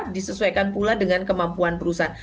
disesuaikan pula dengan kemampuan perusahaan